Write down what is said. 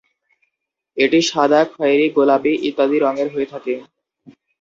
এটি সাদা, খয়েরী, গোলাপী ইত্যাদি রংয়ের হয়ে থাকে।